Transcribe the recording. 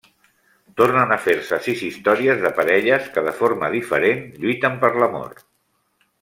Tornen a fer-se sis històries de parelles que de forma diferent lluiten per l'amor.